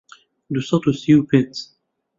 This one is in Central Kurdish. دوو سەد و سی و پێنج